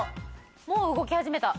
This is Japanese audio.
もう動き始めた。